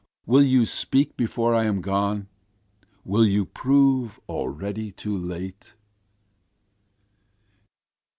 Will you speak before I am gone? will you prove already too late?